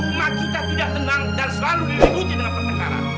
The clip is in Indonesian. rumah kita tidak tenang dan selalu digunjungi dengan pertengkaran